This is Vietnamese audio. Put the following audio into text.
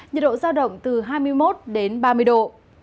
nhiệt độ giao động từ hai mươi một đến ba mươi độ